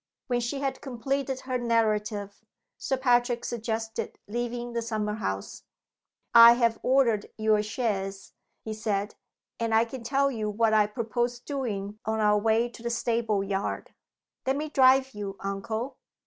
When she had completed her narrative, Sir Patrick suggested leaving the summer house. "I have ordered your chaise," he said; "and I can tell you what I propose doing on our way to the stable yard." "Let me drive you, uncle!"